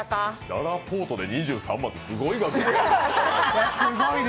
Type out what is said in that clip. ららぽーとで２３万ってすごい金額。